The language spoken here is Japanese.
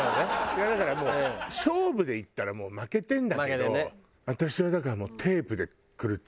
いやだからもう勝負でいったらもう負けてるんだけど私はだからテープでクルッ。